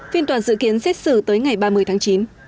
phiên toàn dự kiến xét xử tới ngày ba mươi tháng chín